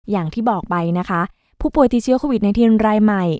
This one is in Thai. อย่างที่บอกไปนะคะผู้ป่วยติดเชื้อโควิด๑๙รายใหม่